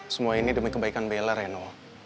semua ini demi kebaikan beller reno